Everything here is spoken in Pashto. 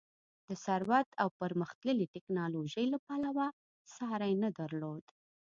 د ثروت او پرمختللې ټکنالوژۍ له پلوه ساری نه درلود.